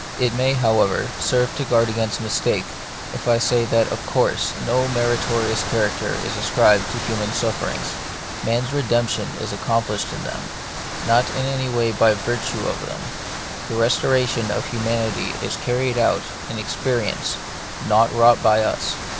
It may, however, serve to guard against mis take, if I say that of course no meritorious character is ascribed to human sufferings. Man's redemption is accomplished in them ; not in any way by virtue of them ; the resto ration of humanity is carried out in our ex perience, not wrought by us.